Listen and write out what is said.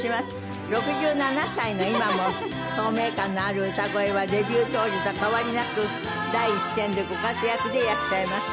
６７歳の今も透明感のある歌声はデビュー当時と変わりなく第一線でご活躍でいらっしゃいます。